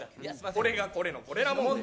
「これがこれのこれなもんで」。